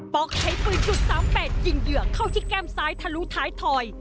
๊อกใช้ปืนจุด๓๘ยิงเหยื่อเข้าที่แก้มซ้ายทะลุท้ายถอย